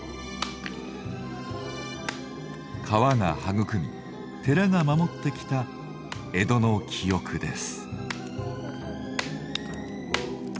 川が育み寺が守ってきた江戸の記憶です。